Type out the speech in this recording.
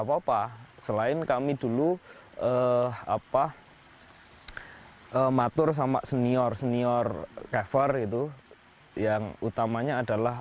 papa selain kami dulu eh apa hai kematur sama senior senior kefer itu yang utamanya adalah